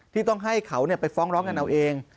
ที่ต้องให้เขาไปฟ้องร้องกันเอาเอง